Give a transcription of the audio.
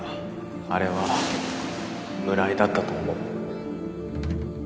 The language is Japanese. あれは村井だったと思う